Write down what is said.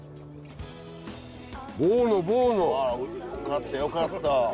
よかったよかった。